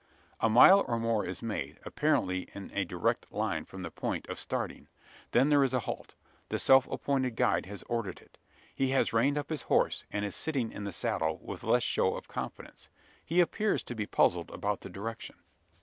A mile or more is made, apparently in a direct line from the point of starting. Then there is a halt. The self appointed guide has ordered it. He has reined up his horse; and is sitting in the saddle with less show of confidence. He appears to be puzzled about the direction.